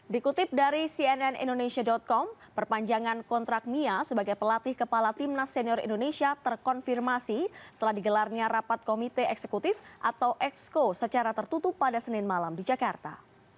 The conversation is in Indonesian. dikutip dari cnn indonesia com perpanjangan kontrak mia sebagai pelatih kepala timnas senior indonesia terkonfirmasi setelah digelarnya rapat komite eksekutif atau exco secara tertutup pada senin malam di jakarta